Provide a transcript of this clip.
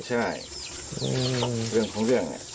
ใช่เรื่องของเรื่อง